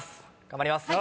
頑張ります。